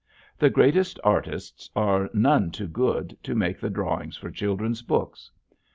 The greatest artists are none too good to make the drawings for children's books.